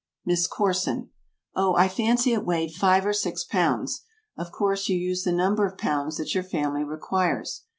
MISS CORSON. Oh, I fancy it weighed five or six pounds. Of course you use the number of pounds that your family requires.